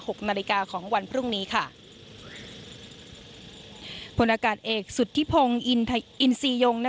หกนาฬิกาของวันพรุ่งนี้ค่ะผู้นาคตเอกสุธิพงท์อินไฮโซียอง